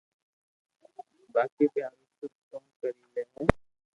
باقي َپ ھارون سب سھو ڪري لي ھي